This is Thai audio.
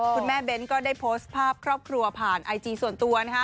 เบ้นก็ได้โพสต์ภาพครอบครัวผ่านไอจีส่วนตัวนะฮะ